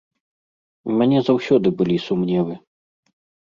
У мяне заўсёды былі сумневы.